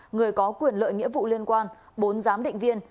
người có quyền lợi nghĩa vụ liên quan bốn giám định viên